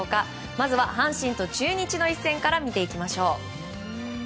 まずは阪神と中日の一戦から見ていきましょう。